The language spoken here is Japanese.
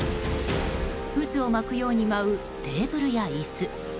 渦を巻くように舞うテーブルや椅子。